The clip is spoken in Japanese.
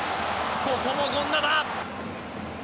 ここも権田だ！